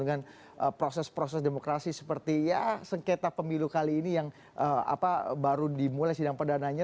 dengan proses proses demokrasi seperti ya sengketa pemilu kali ini yang baru dimulai sidang perdananya